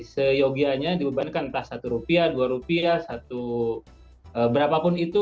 seyogianya dibebankan entah satu rupiah dua rupiah satu berapapun itu